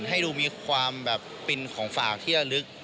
ให้ดูมีความแบบเป็นของฝากที่ระลึก